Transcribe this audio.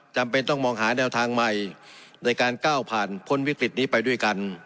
จำเป็นต้องมองหาแนวทางใหม่ในการก้าวผ่านพ้นวิกฤตนี้ไปด้วยกัน